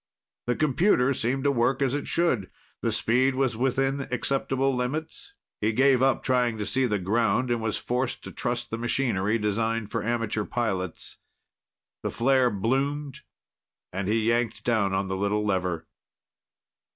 The computer seemed to work as it should. The speed was within acceptable limits. He gave up trying to see the ground and was forced to trust the machinery designed for amateur pilots. The flare bloomed, and he yanked down on the little lever.